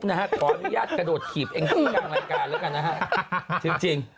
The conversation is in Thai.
ขออนุญาตกระโดดขีบผมไอ้นายที่กลางรายการแล้วกันนะครับ